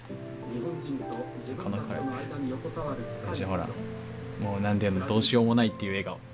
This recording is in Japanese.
この子もう何ていうのどうしようもないっていう笑顔。